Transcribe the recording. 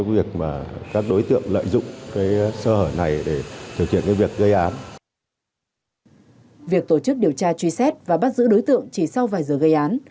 việc tổ chức điều tra truy xét và bắt giữ đối tượng chỉ sau vài giờ gây án